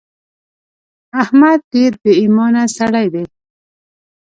احمد ډېر بې ايمانه سړی دی.